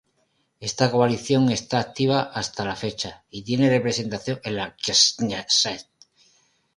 Esta coalición está activa hasta la fecha y tiene representación en la Knesset.